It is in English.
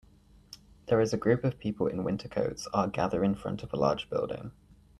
There is a group of people in winter coats are gather in front of a large building.